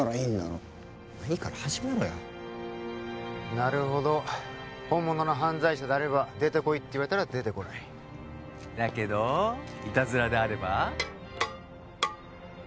いいから始めろよなるほど本物の犯罪者であれば出てこいって言われたら出てこないだけどいたずらであれば？